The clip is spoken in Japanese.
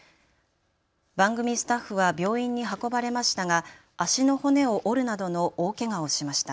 番組スタッフは病院に運ばれましたが足の骨を折るなどの大けがをしました。